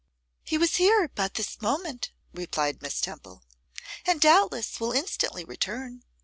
'He was here but this moment,' replied Miss Temple; 'and doubtless will instantly return.